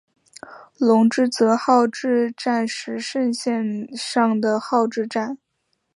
泷之泽号志站石胜线上的号志站。